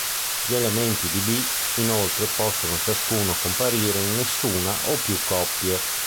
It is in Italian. Gli elementi di "B", inoltre, possono ciascuno comparire in nessuna o più coppie.